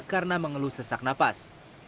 karena mengeluh sesak napas